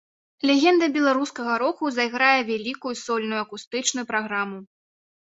Легенда беларускага року зайграе вялікую сольную акустычную праграму.